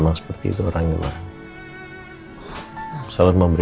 jangan mikir yang macem macem